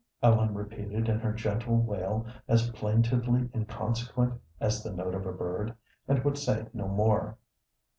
Ellen repeated in her gentle wail as plaintively inconsequent as the note of a bird, and would say no more.